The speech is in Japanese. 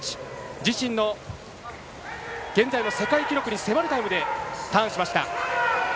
自身の現在の世界記録に迫るタイムでターンしました。